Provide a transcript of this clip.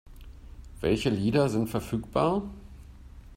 Welche Lieder sind verfügbar?